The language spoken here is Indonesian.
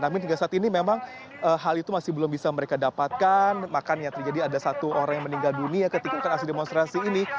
namun hingga saat ini memang hal itu masih belum bisa mereka dapatkan makanya terjadi ada satu orang yang meninggal dunia ketika aksi demonstrasi ini